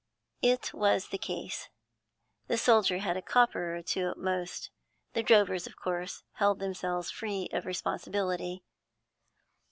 It was the case; the soldier had a copper or two at most. The drovers of course held themselves free of responsibility.